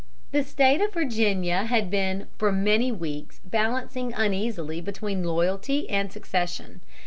The State of Virginia had been for many weeks balancing uneasily between loyalty and secession.